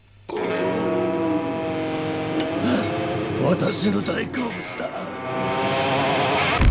私の大好物だ。